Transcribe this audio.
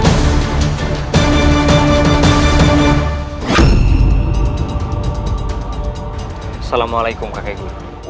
assalamualaikum kakek gue